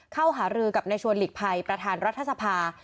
หารือกับในชวนหลีกภัยประธานรัฐสภา